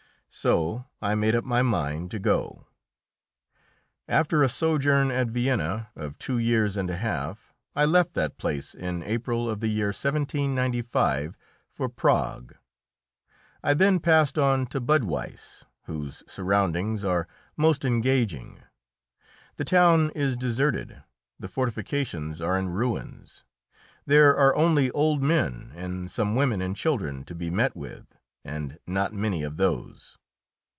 So I made up my mind to go. [Illustration: QUEEN MARIE ANTOINETTE.] After a sojourn at Vienna of two years and a half, I left that place in April of the year 1795 for Prague. I then passed on to Budweis, whose surroundings are most engaging. The town is deserted, the fortifications are in ruins; there are only old men and some women and children to be met with and not many of those.